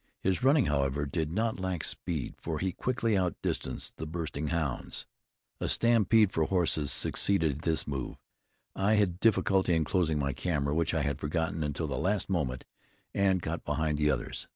His running, however, did not lack speed, for he quickly outdistanced the bursting hounds. A stampede for horses succeeded this move. I had difficulty in closing my camera, which I had forgotten until the last moment, and got behind the others.